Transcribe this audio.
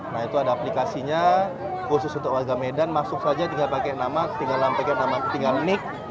nah itu ada aplikasinya khusus untuk warga medan masuk saja tinggal pakai nama tinggal nik